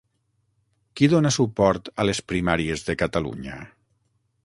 Qui dona suport a les Primàries de Catalunya?